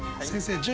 先生